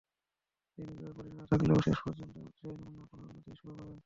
প্রেমের ব্যাপারে প্রতিদ্বন্দ্বিতা থাকলেও শেষ পর্যন্ত জয়ের মালা আপনার গলাতেই শোভা পাবে।